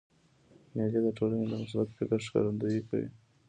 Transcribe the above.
مېلې د ټولني د مثبت فکر ښکارندویي کوي.